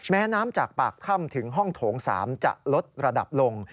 แม้น้ำจากปากถ้ำถึงห้องโถง๓จะลดระดับลง